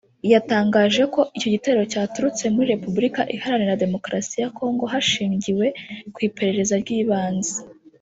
yatangaje ko icyo gitero cyaturutse muri Repubulika Iharanira Demokarasi ya Congo hashingiwe ku iperereza ry’ibanze